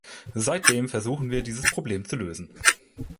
Seitdem versuchen wir, dieses Problem zu lösen.